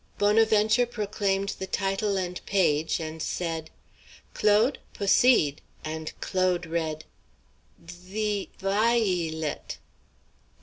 Bonaventure proclaimed the title and page and said: "Claude, p'oceed!" And Claude read: "'Dthee vy ee lit.